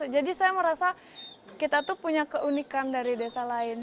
saya merasa kita tuh punya keunikan dari desa lain